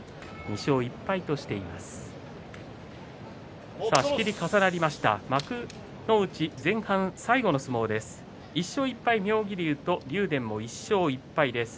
２勝１敗としています。